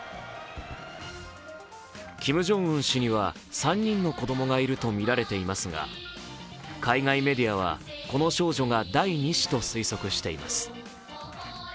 キム・ジョンウン氏には３人の子供がいるとみられていますが海外メディアは、この少女が第２子と推測しています。